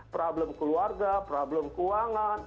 problem keluarga problem keuangan